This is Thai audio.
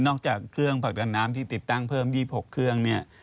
จากเครื่องผลักดันน้ำที่ติดตั้งเพิ่ม๒๖เครื่องเนี่ย